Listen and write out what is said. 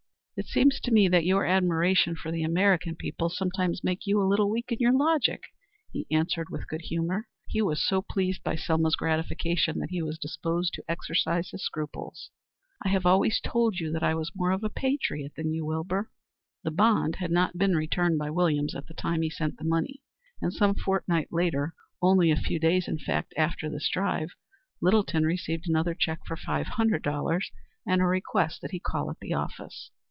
"It seems to me that your admiration for the American people sometimes makes you a little weak in your logic," he answered with good humor. He was so pleased by Selma's gratification that he was disposed to exorcise his scruples. "I have always told you that I was more of a patriot than you, Wilbur." The bond had not been returned by Williams at the time he sent the money, and some fortnight later only a few days in fact after this drive, Littleton received another cheque for $500 and a request that he call at the office.